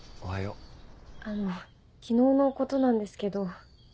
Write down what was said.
あの昨日のことなんですけど。